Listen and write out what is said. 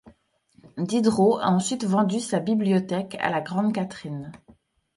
Diderot a ensuite vendu sa bibliothèque à la Grande Catherine.